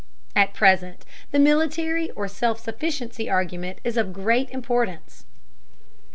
At present the military or self sufficiency argument is of great importance.